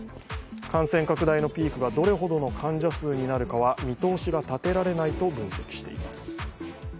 感染拡大のピークがどれほどの患者数になるかは見通しが立てられないと分析しています。